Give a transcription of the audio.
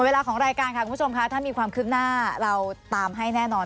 เวลาของรายการค่ะคุณผู้ชมค่ะถ้ามีความคืบหน้าเราตามให้แน่นอน